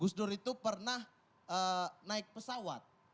gus dur itu pernah naik pesawat